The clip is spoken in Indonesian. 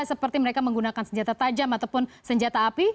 seperti mereka menggunakan senjata tajam ataupun senjata api